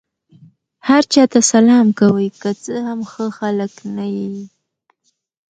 هر چا ته سلام کوئ! که څه هم ښه خلک نه يي.